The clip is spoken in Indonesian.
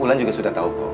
wulan juga sudah tahu kok